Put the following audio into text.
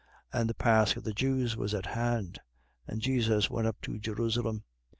2:13. And the pasch of the Jews was at hand: and Jesus went up to Jerusalem. 2:14.